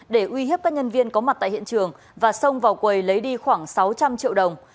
để uy hiếp các nhân viên có mặt tại hiện trường và xông vào quầy lấy đi khoảng sáu trăm linh triệu đồng